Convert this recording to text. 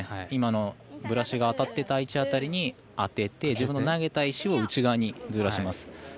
今のブラシが当たっていた辺りに当てて自分の投げた石を内側にずらします。